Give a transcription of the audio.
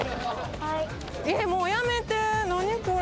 えっ、もうやめて、何これ。